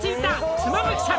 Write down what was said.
「妻夫木さん